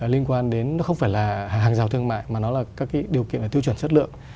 liên quan đến nó không phải là hàng giàu thương mại mà nó là các cái điều kiện là tiêu chuẩn chất lượng